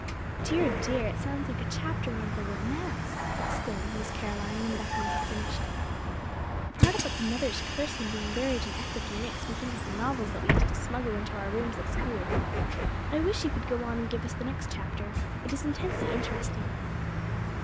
"Dear! dear! It sounds like a chapter out of a romance!" exclaimed Miss Caroline, when Bethany had finished. "That part about the mother's curse and being buried in effigy makes me think of the novels that we used to smuggle into our rooms at school. I wish you could go on and give us the next chapter. It is intensely interesting."